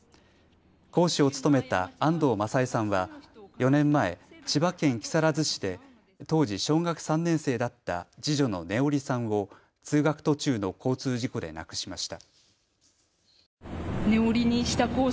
講師を務めた安藤正恵さんは４年前、千葉県木更津市で当時、小学３年生だった次女の音織さんを通学途中の交通事故で亡くしました。